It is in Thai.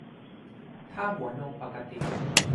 ถ้าหัวนมปกติ